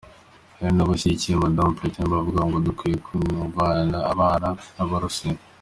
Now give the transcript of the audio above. Hari n'abashigikiye Madamu Pletnyova bavuga ngo "dukwiye kuvyara abana b'abarusiya".